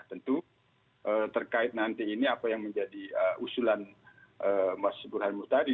tentu terkait nanti ini apa yang menjadi usulan mas burhan mutadi